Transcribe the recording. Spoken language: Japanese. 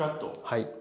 はい。